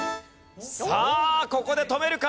さあここで止めるか？